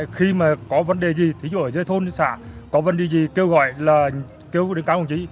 khi mà có vấn đề gì ví dụ ở dưới thôn xã có vấn đề gì kêu gọi là kêu đến các đồng chí